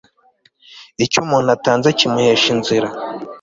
icyo umuntu atanze kimuhesha inzira